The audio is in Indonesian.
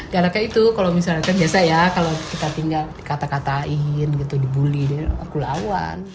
galaknya itu kalau misalkan biasa ya kalau kita tinggal dikata katain gitu dibully deh aku lawan